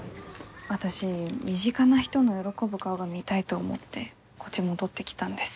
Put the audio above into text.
私身近な人の喜ぶ顔が見たいと思ってこっち戻ってきたんです。